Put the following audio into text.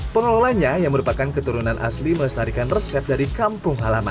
pengelolanya yang merupakan keturunan asli melestarikan resep dari kampung halaman